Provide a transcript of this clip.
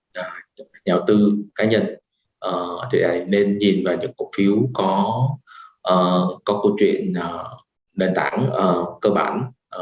nhà đầu tư cá nhân thì nên nhìn vào những cổ phiếu có câu chuyện đền tảng cơ bản